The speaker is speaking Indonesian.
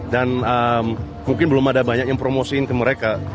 dan mungkin belum ada banyak yang promosiin ke mereka